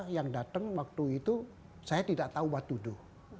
yang datang waktu itu saya tidak tahu watudo